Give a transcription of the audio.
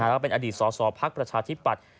แล้วก็เป็นอดีตสสพักประชาธิปลัติ